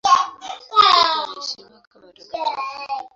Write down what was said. Wote wanaheshimiwa kama watakatifu.